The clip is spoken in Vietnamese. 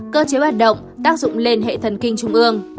cơ chế hoạt động tác dụng lên hệ thần kinh trung ương